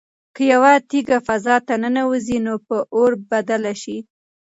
که یوه تیږه فضا ته ننوځي نو په اور بدله شي.